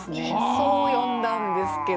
そう読んだんですけど。